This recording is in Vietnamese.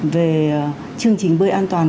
về chương trình bơi an toàn